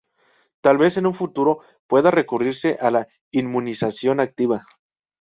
Tal vez en un futuro pueda recurrirse a la inmunización activa.